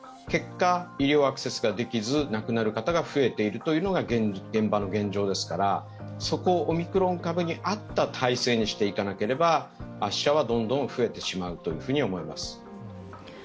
結果、医療アクセスができず亡くなる方増えているというのが現場の現状ですからそこをオミクロン株に合った体制にしていかなければ死者はどんどん増えてしまうと思います。